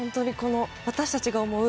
私たちが思う